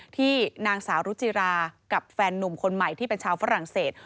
ที่นางสาวรุจิรากับแฟนนุ่มคนใหม่ที่เป็นชาวฝรั่งเศส